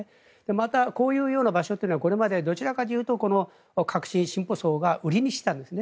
また、こういう場所というのはこれまでどちらかというと革新、進歩層が売りにしていたんですね。